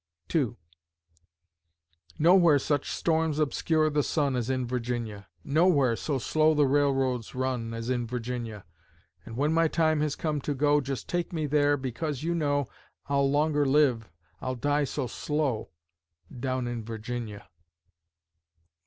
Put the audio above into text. II. Nowhere such storms obscure the sun As in Virginia; Nowhere so slow the railroads run, As in Virginia; And when my time has come to go Just take me there, because, you know, I'll longer live, I'll die so slow, Down in Virginia.